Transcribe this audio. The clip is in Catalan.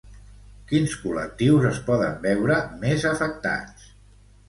Quins col·lectius es poden veure més afectats?